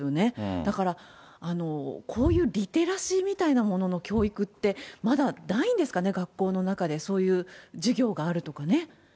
だからこういうリテラシーみたいなものの教育って、まだないんですかね、学校の中で、そういう授業があるとかね。